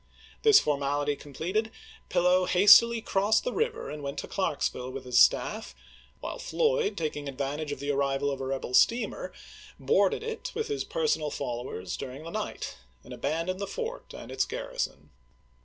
This formality completed. Pillow hastily crossed the river and went to Clarksville with his staff, while Floyd, taking advantage of the arrival of a rebel steamer, boarded it, with his personal followers, during the night, and abandoned the fort and its garrison.